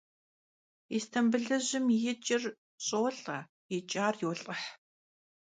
Yistambılıjım yimıç'ır ş'olh'e, yiç'ar yolh'ıh.